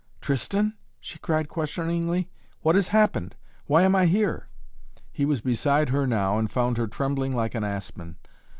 "Tristan?" she cried questioningly. "What has happened? Why am I here?" He was beside her now and found her trembling like an aspen.